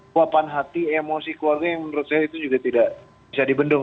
kuapan hati emosi keluarga yang menurut saya itu juga tidak bisa dibendung